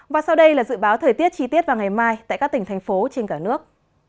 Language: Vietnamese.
và sau đây là dự báo thời tiết chi tiết vào ngày mai tại các tỉnh thành phố trên cả nước